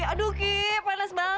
aduh ki panas banget